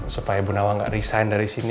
supaya ibu nawang gak resign dari sini